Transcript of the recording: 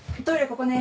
ここね。